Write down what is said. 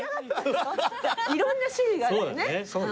いろんな種類があるからね。